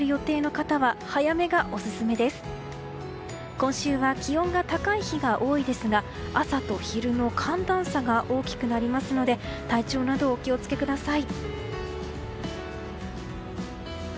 今週は気温が高い日が多いですが朝と昼の寒暖差が大きくなりますので体調など、お気を付けください。